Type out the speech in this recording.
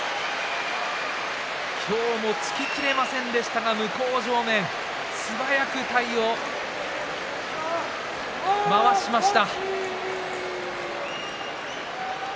今日も突ききれませんでしたが向正面、素早く体を回しました。